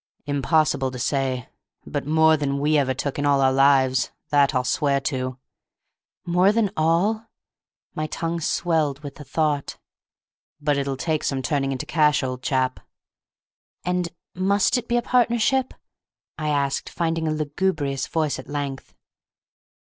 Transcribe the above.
"Impossible to say. But more than all we ever took in all our lives. That I'll swear to." "More than all—" My tongue swelled with the thought. "But it'll take some turning into cash, old chap!" "And—must it be a partnership?" I asked, finding a lugubrious voice at length.